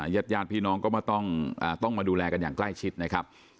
ญาติญาติพี่น้องก็ต้องมาดูแลกันอย่างใกล้ชิดนะครับ